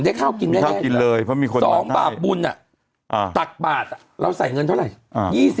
๑ได้ข้าวกินได้แค่นั้น๒บาปบุญตักบาทเราใส่เงินเท่าไหร่